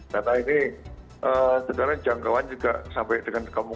data ini sekarang jangkauan juga sampai dengan kamu